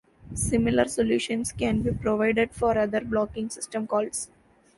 Similar solutions can be provided for other blocking system calls.